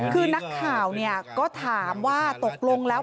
คือนักข่าวเนี่ยก็ถามว่าตกลงแล้ว